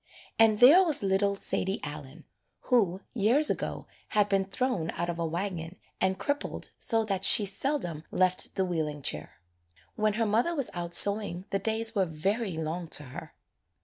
And there was little Sadie Allen, who years ago had been thrown out of a wagon and crippled so that she seldom left the wheeling [ 19 ] AN EASTER LILY chair. When her mother was out sewing the days were very long to her.